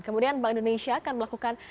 kemudian bank indonesia akan melakukan